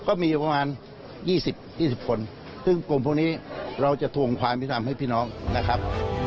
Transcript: ก็มีอยู่ประมาณ๒๐๒๐คนซึ่งกลุ่มพวกนี้เราจะทวงความยุติธรรมให้พี่น้องนะครับ